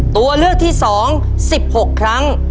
ตัวเลือกที่๒๑๖ครั้ง